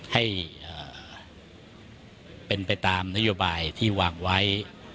ให้เป็นไปตามนโยบายที่วางไว้